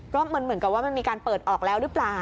ก็มันเหมือนกับว่ามันมีการเปิดออกแล้วหรือเปล่า